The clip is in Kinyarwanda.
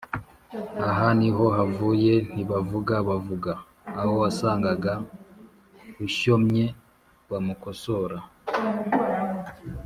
aha ni ho havuye “ntibavuga – bavuga”, aho wasangaga ushyomye bamukosora,